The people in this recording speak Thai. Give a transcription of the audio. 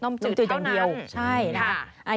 นมจืดเท่านั้น